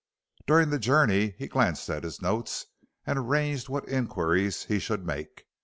During the journey he glanced at his notes and arranged what inquiries he should make.